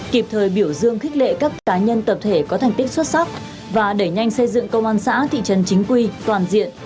kịp thời biểu dương khích lệ các cá nhân tập thể có thành tích xuất sắc và đẩy nhanh xây dựng công an xã thị trấn chính quy toàn diện